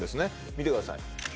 見てください